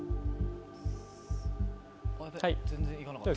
ヤベ全然行かなかった。